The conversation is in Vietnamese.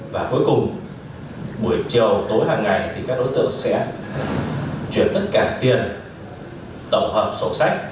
và cuối cùng buổi chiều tối hàng ngày thì các đối tượng sẽ chuyển tất cả tiền tổng hợp sổ sách